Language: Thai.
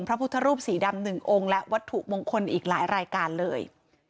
พระพุทธรูปสีดำ๑องค์และวัตถุมงคลอีกหลายรายการเลย